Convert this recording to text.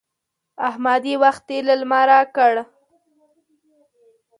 احمد يې وختي له لمره کړ.